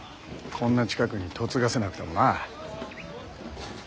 こんな近くに嫁がせなくてもな。